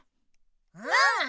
うん！